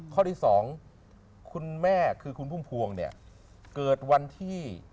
ข้อที่สองคุณแม่คือคุณพุ่มพวงเนี่ยเกิดวันที่